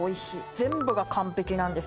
全部が完璧なんです。